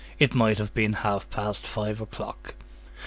It might have been half past five o'clock.